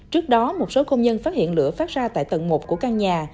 trước đó một số công nhân phát hiện lửa phát ra tại tầng một của căn nhà